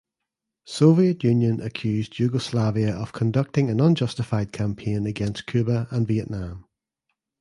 Soviet Union accused Yugoslavia of conducting an unjustified campaign against Cuba and Vietnam.